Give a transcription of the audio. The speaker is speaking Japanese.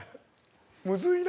むずいな！